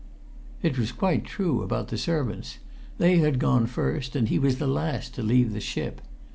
It was quite true about the servants; they had gone first, and he was the last to leave the ship.